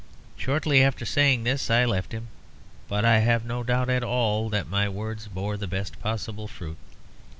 Shortly after saying this I left him; but I have no doubt at all that my words bore the best possible fruit.